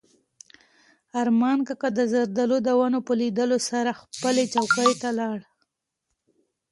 ارمان کاکا د زردالو د ونو په لیدلو سره خپلې ځوانۍ ته لاړ.